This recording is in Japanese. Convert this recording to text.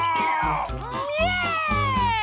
イエーイ！